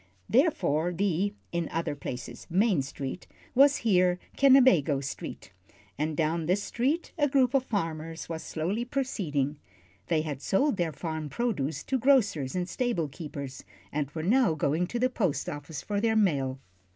Therefore the in other places Main Street was here Kennebago Street, and down this street a group of farmers was slowly proceeding. They had sold their farm produce to grocers and stable keepers, and were now going to the post office for their mail.